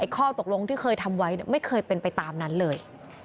ข้อตกลงที่เคยทำไว้ไม่เคยเป็นไปตามนั้นเลย